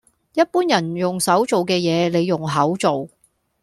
一般人用手做嘅嘢，你用口做